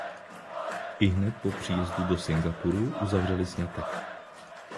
Ihned po příjezdu do Singapuru uzavřeli sňatek.